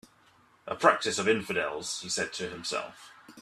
"A practice of infidels," he said to himself.